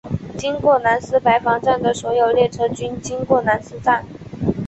经过兰斯白房站的所有列车均经过兰斯站。